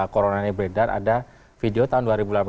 coronanya beredar ada video tahun dua ribu delapan belas